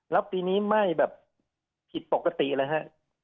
แล้วปีนี้ไหม้แบบผิดปกติเลยฮะ